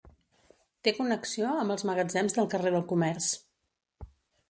Té connexió amb els magatzems del carrer del Comerç.